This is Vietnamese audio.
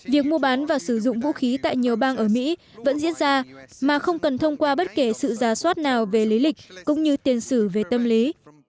việc mua bán và sử dụng vũ khí tại nhiều bang ở mỹ vẫn diễn ra mà không cần thông qua bất kể sự giả soát nào về lý lịch cũng như tiền sử về tâm lý